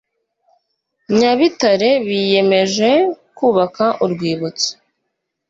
nyabitare biyemeje kubaka urwibutso